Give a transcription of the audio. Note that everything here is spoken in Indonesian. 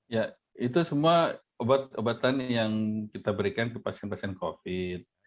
ya itu semua obat obatan yang kita berikan ke pasien pasien covid